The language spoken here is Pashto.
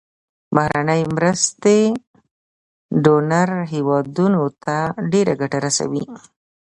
بهرنۍ مرستې ډونر هیوادونو ته ډیره ګټه رسوي.